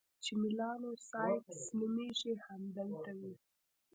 چې میلانوسایټس نومیږي، همدلته وي.